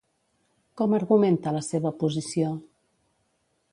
Com argumenta la seva posició?